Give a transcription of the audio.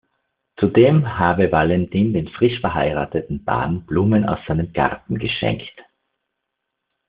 Zudem habe Valentin den frisch verheirateten Paaren Blumen aus seinem Garten geschenkt.